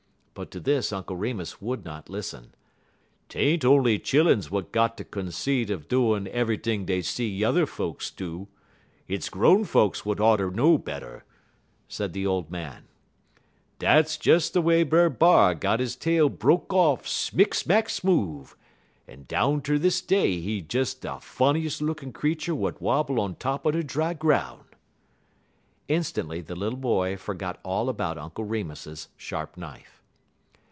But to this Uncle Remus would not listen. "'T ain't on'y chilluns w'at got de consate er doin' eve'ything dey see yuther folks do. Hit's grown folks w'at oughter know better," said the old man. "Dat's des de way Brer B'ar git his tail broke off smick smack smoove, en down ter dis day he de funnies' lookin' creetur w'at wobble on top er dry groun'." Instantly the little boy forgot all about Uncle Remus's sharp knife.